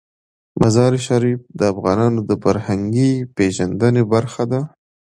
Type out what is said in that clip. مزارشریف د افغانانو د فرهنګي پیژندنې برخه ده.